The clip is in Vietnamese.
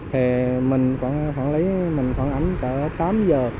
thì mình phản ánh cả tám giờ